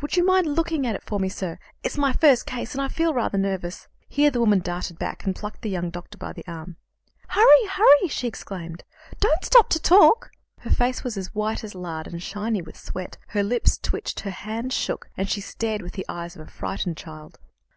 Would you mind looking at it for me, sir? It's my first case, and I feel rather nervous." Here the woman darted back, and plucked the young doctor by the arm. "Hurry! hurry!" she exclaimed, "don't stop to talk." Her face was as white as lard, and shiny with sweat; her lips twitched, her hands shook, and she stared with the eyes of a frightened child.